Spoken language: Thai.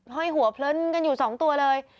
ห้อยหัวเพลินกันอยู่๒ตัวเลย